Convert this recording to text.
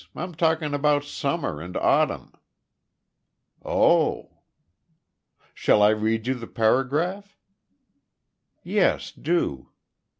I'm talking about summer and autumn." "Oh!" "Shall I read you the paragraph?" "Yes, do."